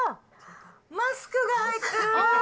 マスクが入ってる！